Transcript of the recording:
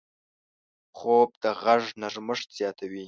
خوب د غږ نرمښت زیاتوي